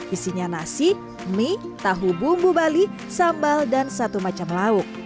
isinya nasi mie tahu bumbu bali sambal dan satu macam lauk